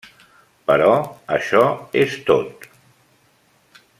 Però això és tot.